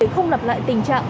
không lập lại tình trạng